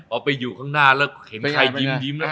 เอาไปอยู่ข้างหน้าละแข็งไขยิ้ม